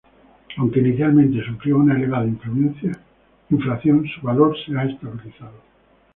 Aunque inicialmente sufrió una elevada inflación, su valor se ha estabilizado.